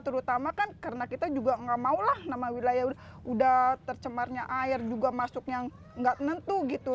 terutama kan karena kita juga nggak mau lah nama wilayah udah tercemarnya air juga masuk yang nggak nentu gitu